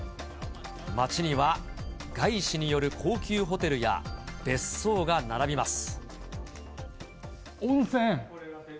町には外資による高級ホテルや、別荘が並びます。